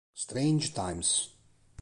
Strange Times